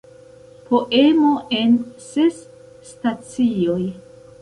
Poemo en ses stacioj.